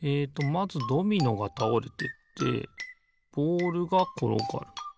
まずドミノがたおれてってボールがころがる。